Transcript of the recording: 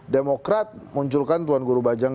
demokrat munculkan tuan guru bajang